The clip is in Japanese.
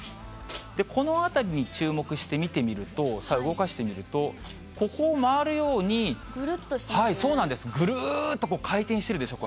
この辺りに注目して見てみると、動かしてみると、ここを回るようぐるっとしてますね。